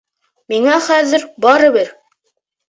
Миңә хәҙер... барыбер...